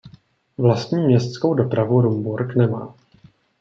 Vlastní městskou dopravu Rumburk nemá.